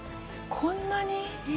こんなに？